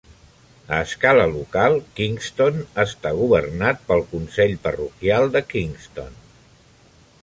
A escala local, Kingston està governat pel consell parroquial de Kingston.